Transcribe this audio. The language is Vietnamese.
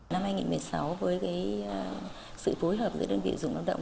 năm hai nghìn một mươi sáu với sự phối hợp giữa đơn vị dùng lao động